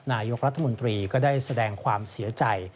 นายกรัฐมนตรีก็ได้แสดงความเสียใจ